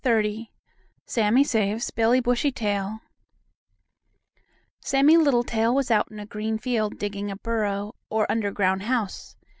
XXX SAMMIE SAVES BILLIE BUSHYTAIL Sammie Littletail was out in a green field digging a burrow, or underground house.